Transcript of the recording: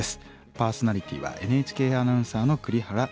パーソナリティーはＮＨＫアナウンサーの栗原望です。